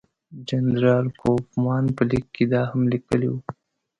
جنرال کوفمان په لیک کې دا هم لیکلي وو.